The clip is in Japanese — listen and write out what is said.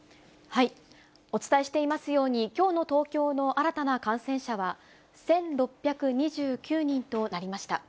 お伝えしていますように、きょうの東京の新たな感染者は１６２９人となりました。